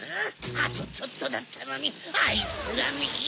あとちょっとだったのにあいつらめ！